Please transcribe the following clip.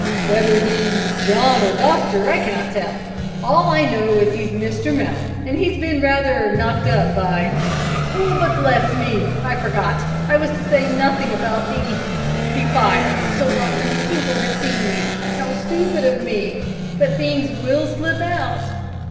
"Whether he's John or doctor I cannot tell. All I know is that he's Mister Mellon, and he's bin rather knocked up by But, bless me, I forgot: I was to say nothing about the the fire till Dr McTougall had seen you. How stoopid of me; but things will slip out!"